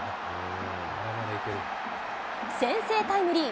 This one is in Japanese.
先制タイムリー。